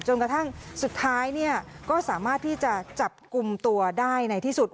จนกระทั่งสุดท้ายก็สามารถที่จะจับกลุ่มตัวได้ในที่สุด